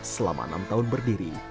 selama enam tahun berdiri